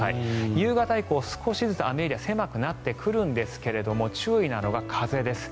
夕方以降、少しずつ雨エリア狭くなってくるんですが注意なのが風です。